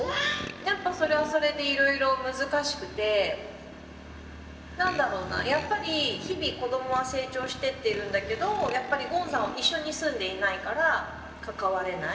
やっぱそれはそれでいろいろ難しくて何だろうなやっぱり日々子どもは成長してっているんだけどやっぱりゴンさんは一緒に住んでいないから関われない。